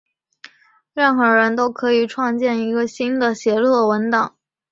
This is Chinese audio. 任何人都可以创建一个新的协作文档。